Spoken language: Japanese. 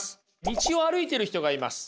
道を歩いてる人がいます。